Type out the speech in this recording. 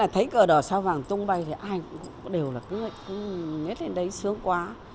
thấy cơ đỏ sao vàng tung bay thì ai cũng đều ngách lên đấy sướng quá